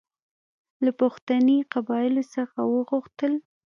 له پښتني قبایلو څخه وغوښتل.